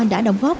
đã đóng góp